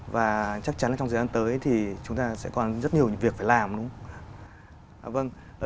và chắc chắn là trong thời gian tới thì chúng ta sẽ còn rất nhiều việc phải làm đúng không